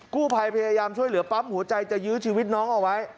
กู้ภัยพยายามช่วยเหลือปั๊มหัวใจจะยื้อชีวิตน้องเอาไว้